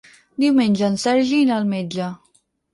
Diumenge en Sergi irà al metge.